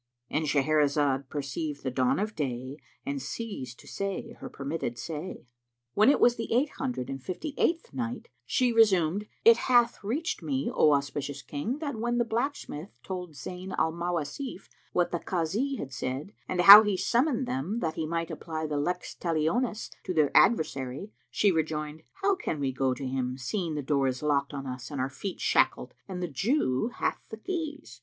—And Shahrazad perceived the dawn of day and ceased to say her permitted say, When it was the Eight Hundred and Fifty eighth Night, She resumed, It hath reached me, O auspicious King, that when the blacksmith told Zayn al Mawasif what the Kazi had said, and how he summoned them that he might apply the Lex Talionis to their adversary, she rejoined, "How can we go to him, seeing the door is locked on us and our feet shackled and the Jew hath the keys?"